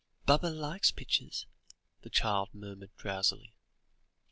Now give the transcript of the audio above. "Baba likes pictures," the child murmured drowsily.